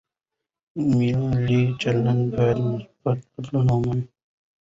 مالي چلند باید مثبت بدلون ومومي.